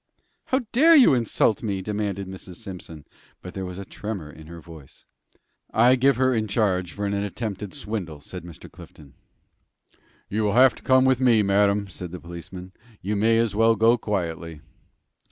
"How dare you insult me?" demanded Mrs. Simpson; but there was a tremor in her voice. "I give her in charge for an attempted swindle," said Mr. Clifton. "You will have to come with me, madam," said the policeman. "You may as well go quietly."